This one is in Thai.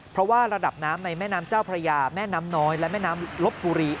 เพราะว่าระดับน้ำในแม่น้ำเจ้าพระยาแม่น้ำน้อยและแม่น้ำลบบุรี